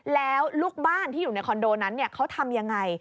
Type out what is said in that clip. แล้วลูกบ้านที่อยู่ในคอนโดนั้นเขาทำยังไง